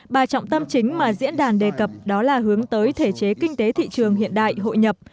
bà trọng tâm chính mà diễn đàn đề cập đó là hướng tới thể chế kinh tế thị trường hiện đại hội nhập